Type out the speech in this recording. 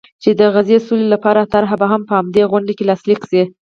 چې د غزې سولې لپاره طرحه به هم په همدې غونډه کې لاسلیک شي.